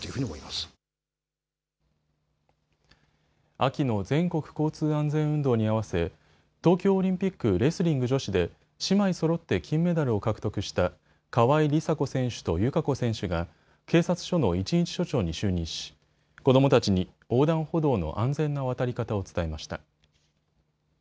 秋の全国交通安全運動に合わせ東京オリンピックレスリング女子で姉妹そろって金メダルを獲得した川井梨紗子選手と友香子選手が警察署の一日署長に就任し子どもたちに横断歩道の安全な渡り方を伝えました。